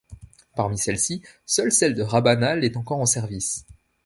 Parmi celles-ci, seule celle de Rabanales est encore en service.